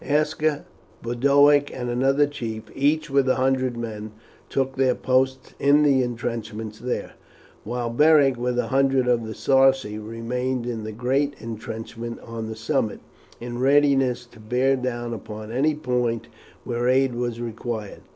Aska, Boduoc, and another chief, each with a hundred men, took their posts in the intrenchments there, while Beric, with a hundred of the Sarci, remained in the great intrenchment on the summit, in readiness to bear down upon any point where aid was required.